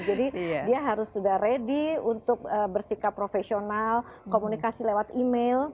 jadi dia harus sudah ready untuk bersikap profesional komunikasi lewat email